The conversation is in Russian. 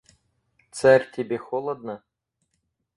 Царь тебе холодно?